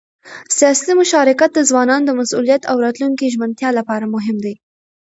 سیاسي مشارکت د ځوانانو د مسؤلیت او راتلونکي د ژمنتیا لپاره مهم دی